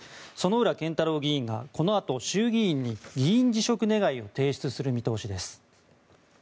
薗浦健太郎議員がこのあと衆議院に議員辞職願を提出する見通しです。